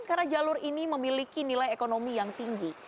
karena jalur ini memiliki nilai ekonomi yang tinggi